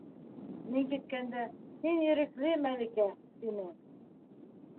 Мин киткәндә: «Һин ирекле, Мәликә!» - тинең.